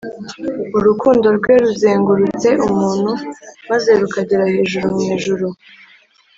. Urukundo rwe ruzengurutse umuntu, maze rukagera hejuru mw’ijuru.